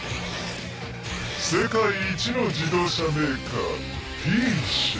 世界一の自動車メーカーＴ社。